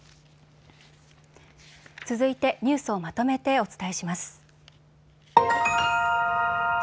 続いてニュースをまとめてお伝えします。